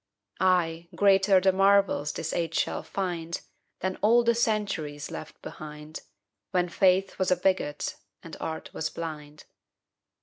Ay, greater the marvels this age shall find Than all the centuries left behind, When faith was a bigot and art was blind.